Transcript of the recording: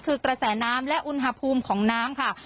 คือกระแสน้ำและอุณหภูมิของน้ำค่ะ